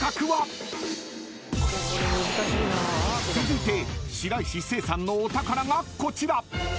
［続いて白石聖さんのお宝がこちら］